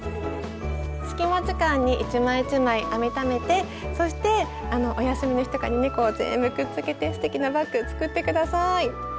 隙間時間に一枚一枚編みためてそしてお休みの日とかにねこう全部くっつけてすてきなバッグ作って下さい。